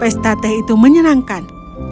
pesta teh itu menyenangkan